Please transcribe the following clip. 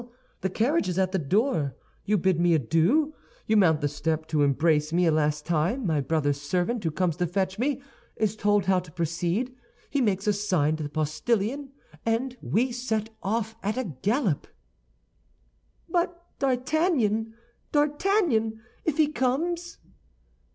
The carriage is at the door; you bid me adieu; you mount the step to embrace me a last time; my brother's servant, who comes to fetch me, is told how to proceed; he makes a sign to the postillion, and we set off at a gallop." "But D'Artagnan! D'Artagnan! if he comes?"